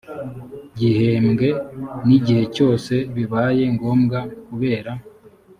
gihembwe n igihe cyose bibaye ngombwa kubera